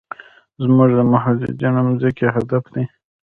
زموږ د متحدینو ځمکې هدف دی.